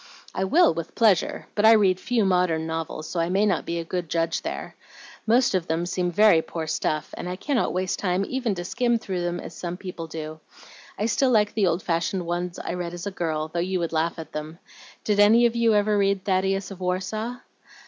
"I will, with pleasure; but I read few modern novels, so I may not be a good judge there. Most of them seem very poor stuff, and I cannot waste time even to skim them as some people do. I still like the old fashioned ones I read as a girl, though you would laugh at them. Did any of you ever read 'Thaddeus of Warsaw'?"